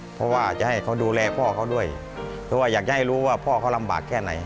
เพราะว่าจะให้เขาดูแลพ่อเขาด้วยเพราะว่าอยากจะให้รู้ว่าพ่อเขาลำบากแค่ไหน